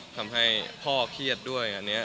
ทำให้พ่อเครียดด้วยอันนี้